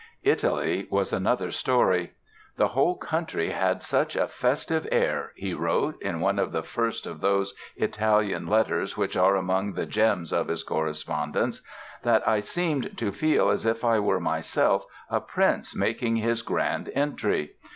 Italy was another story. "The whole country had such a festive air", he wrote in one of the first of those Italian letters which are among the gems of his correspondence, "that I seemed to feel as if I were myself a prince making his grand entry".